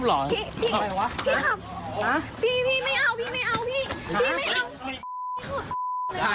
พวกเขามีเต็มเกินไปสินะ